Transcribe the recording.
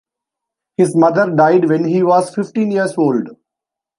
His mother died when he was fifteen years old.